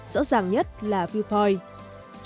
rõ ràng nhất là viewpoint